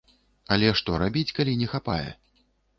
Але што рабіць, калі не хапае?